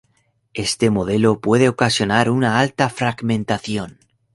Este modelo puede ocasionar una alta fragmentación.